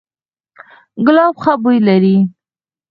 ګلاب ښه بوی لري